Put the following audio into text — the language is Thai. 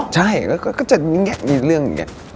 ใช่ก็จะอย่างเงี้ยมีเรื่องอย่างเงี้ย